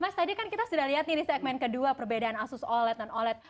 mas tadi kan kita sudah lihat nih di segmen kedua perbedaan asus oled dan oled